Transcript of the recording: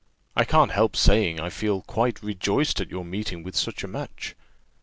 I can't help saying, I feel quite rejoiced at your meeting with such a match."